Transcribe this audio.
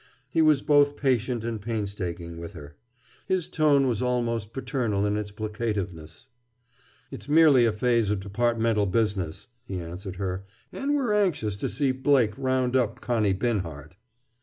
He was both patient and painstaking with her. His tone was almost paternal in its placativeness. "It's merely a phase of departmental business," he answered her. "And we're anxious to see Blake round up Connie Binhart."